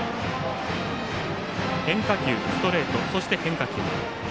変化球、ストレートそして変化球。